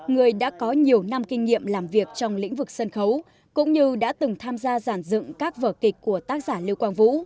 người đã có nhiều năm kinh nghiệm làm việc trong lĩnh vực sân khấu cũng như đã từng tham gia giản dựng các vở kịch của tác giả lưu quang vũ